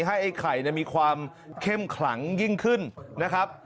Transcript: ไอ้ไข่มีความเข้มขลังยิ่งขึ้นนะครับ